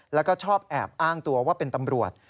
แล้วก็ชอบแอบอ้างตัวว่าเป็นตำรวจ